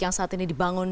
yang saat ini dibangun